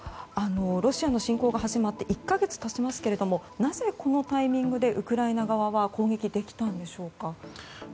ロシアの侵攻が始まって１か月経ちますけれどもなぜ、このタイミングでウクライナ側は攻撃できたんでしょうか。